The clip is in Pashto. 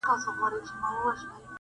پرمختګ په تصادف نه رامنځته کېږي،